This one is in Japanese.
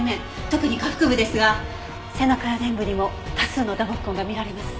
特に下腹部ですが背中や臀部にも多数の打撲痕が見られます。